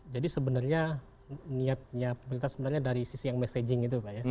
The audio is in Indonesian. jadi sebenarnya niatnya pemerintah sebenarnya dari sisi yang messaging itu pak